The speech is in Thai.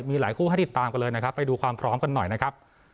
มีหลายคู่ให้ติดตามกันเลยนะครับไปดูความพร้อมกันหน่อยนะครับ